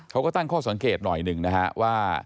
เขาก็ตั้งข้อสังเกตหน่อยหนึ่งนะฮะว่า